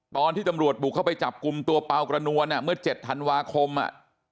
ตอนที่ตำรวจบุกเข้าไปจับกลุ่มตัวเปล่ากระนวลเมื่อ๗ธันวาคม